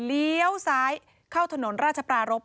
เลี้ยวซ้ายเข้าถนนราชปรารบ